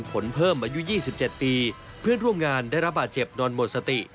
ผลเพิ่มอายุ๒๗ปีเพื่อนร่วมงานได้รับบาดเจ็บนอนหมดสติ